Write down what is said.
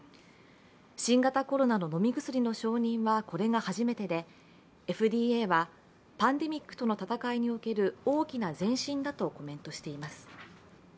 新型コロナの飲み薬の承認はこれが初めてで、ＦＤＡはパンデミックとの戦いにおける大きな前進だとコメントしています。